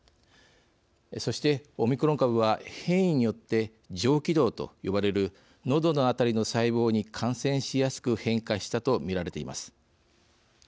そして、オミクロン株は変異によって、上気道と呼ばれるのどの辺りの細胞に感染しやすく変化したとみられています。